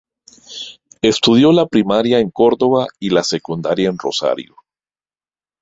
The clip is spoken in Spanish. Estudió la primaria en Córdoba y la secundaria en Rosario.